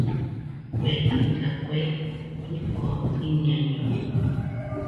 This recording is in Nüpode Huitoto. Kue jisa, Kue ɨko iñaiño